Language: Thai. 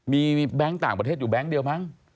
มีแบงค์ต่างประเทศอยู่แก๊งเดียวมั้ง